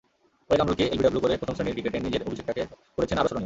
পরে কামরুলকে এলবিডব্লু করে প্রথম শ্রেণির ক্রিকেটে নিজের অভিষেকটাকে করেছেন আরও স্মরণীয়।